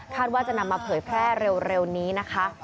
ว่าจะนำมาเผยแพร่เร็วนี้นะคะ